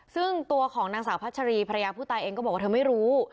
ซึ่งตัวของนางสาวพัชรีภรรยาผู้ตายเองก็บอกว่าเธอไม่รู้